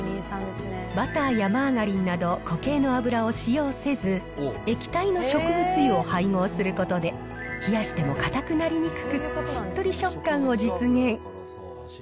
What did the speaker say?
バターやマーガリンなど固形の油を使用せず、液体の植物油を配合することで、冷やしても固くなりにくく、しっとり食感を実現。